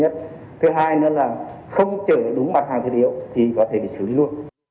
thứ hai nữa là không chở đúng mặt hàng thiết yếu thì có thể bị xử lý luôn